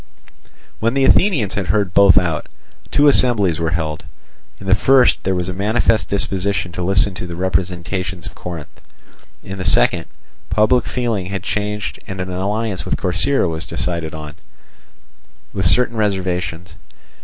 When the Athenians had heard both out, two assemblies were held. In the first there was a manifest disposition to listen to the representations of Corinth; in the second, public feeling had changed and an alliance with Corcyra was decided on, with certain reservations.